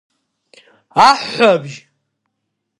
Аҳәҳәабжь…